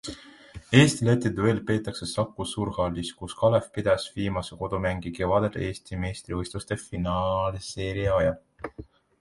Eesti-Läti duell peetakse Saku suurhallis, kus Kalev pidas viimase kodumängu kevadel Eesti meistrivõistluste finaalseeria ajal.